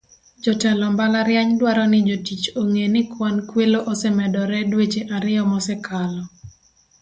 Jotelo mbalariany dwaro ni jotich ong'e ni kwan kwelo osemedore dweche ariyo mosekalo. "